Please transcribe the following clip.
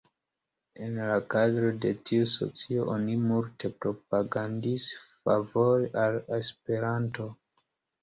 En la kadro de tiu socio, oni multe propagandis favore al Esperanto.